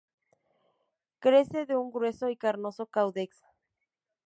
Crece de un grueso y carnoso caudex.